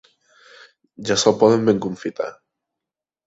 Ja se'l poden ben confitar.